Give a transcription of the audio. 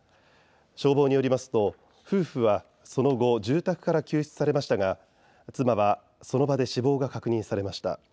消防によりますと夫婦は、その後住宅から救出されましたが妻はその場で死亡が確認されました。